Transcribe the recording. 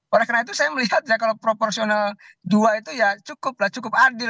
oleh karena itu saya melihat ya kalau proporsional dua itu ya cukup lah cukup adil